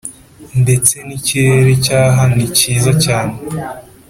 ndetse ni ikirere cyaha ni cyiza cyane